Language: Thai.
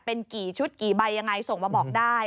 เป็นกี่ชุดกี่ใบยังไงส่งมาบอกได้